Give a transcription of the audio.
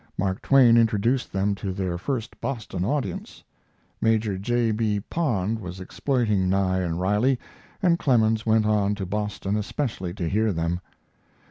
Mark Twain introduced them to their first Boston audience. Major J. B. Pond was exploiting Nye and Riley, and Clemens went on to Boston especially to hear them.